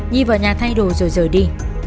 nhi vào nhà thay đồ rồi rời đi